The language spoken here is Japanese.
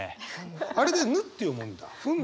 あれで「ぬ」って読むんだ。